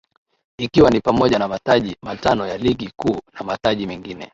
Ikiwa ni pamoja na mataji matano ya ligi kuu na mataji mengine